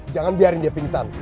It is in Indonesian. jangan biarin dia pingsan